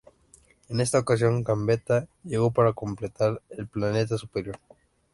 En esta ocasión, Gambetta, llegó para completar el plantel superior.